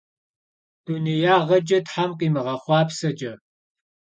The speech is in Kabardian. Dunêyağeç'e them khimığexhuapseç'e.